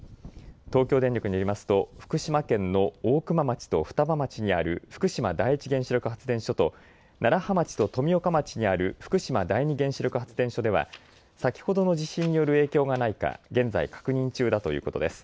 東京電力によりますと福島県の大熊町と双葉町にある福島第一原子力発電所と楢葉町と富岡町にある福島第二原子力発電所では先ほどの地震による影響がないか現在、確認中だということです。